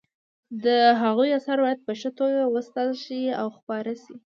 د هغوی اثار باید په ښه توګه وساتل شي او خپاره شي